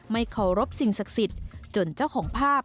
ไม่เคารพสิ่งศักดิ์ศักดิ์สิทธิ์จนเจ้าของภาพ